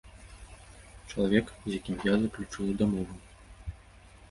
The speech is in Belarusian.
Чалавек, з якім я заключыла дамову.